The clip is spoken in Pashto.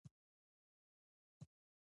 علي د ډېرو خلکو مالونه هضم کړل.